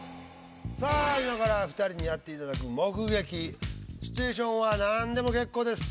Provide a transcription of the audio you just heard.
さあ今から２人にやっていただく「目撃」シチュエーションは何でも結構です。